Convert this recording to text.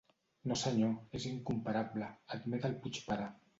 No senyor, és incomparable —admet el Puig pare—.